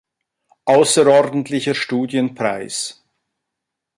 Außerordentlicher Studien-Preis.